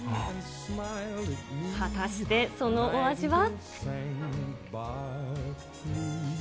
果たして、そのお味は？